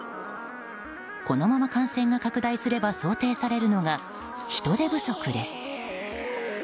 このまま感染が拡大すれば想定されるのが人手不足です。